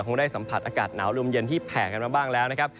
คงได้สัมผัสอากาศหนาวลมเย็นที่แผ่กันมาบ้างแล้วนะครับ